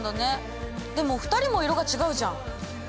でも２人も色が違うじゃん。